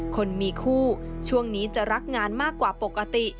คนมีคู่ช่วงนี้จะรักงานมากกว่าปกติ